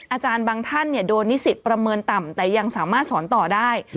อาจารย์บางท่านโดนนิสิตประเมินต่ำแต่ยังสามารถสอนต่อได้